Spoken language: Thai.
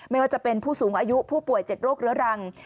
ไม่ว่าจะเป็นผู้สูงอายุผู้ป่วย๗โรคเรื้อรัง